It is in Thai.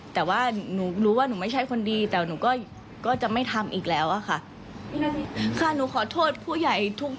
แต่ว่าหนูรู้ว่าหนูไม่ใช่คนดีแต่หนูก็จะไม่ทำอีกแล้วอะค่ะ